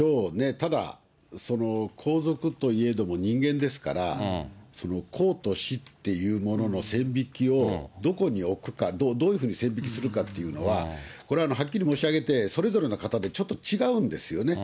ただ、皇族といえども人間ですから、公と私っていうものの線引きをどこに置くか、どういうふうに線引きするかっていうのは、これははっきり申し上げて、それぞれの方でちょっと違うんですよね。